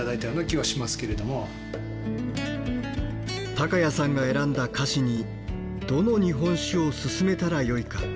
高家さんが選んだ菓子にどの日本酒をすすめたらよいか。